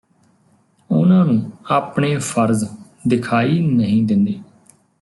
ਉਨ੍ਹਾਂ ਨੂੰ ਆਪਣੇ ਫਰਜ਼ ਦਿਖਾਈ ਨਹੀਂ ਦਿੰਦੇ